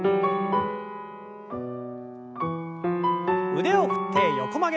腕を振って横曲げ。